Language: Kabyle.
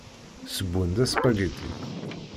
Ssewwen-d aspagiti.